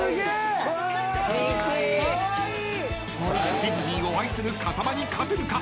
［ディズニーを愛する風間に勝てるか！？］